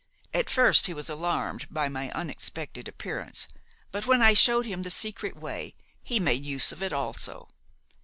At first he was alarmed by my unexpected appearance, but when I showed him the secret way, he made use of it also.